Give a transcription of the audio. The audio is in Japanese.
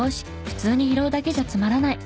普通に拾うだけじゃつまらない。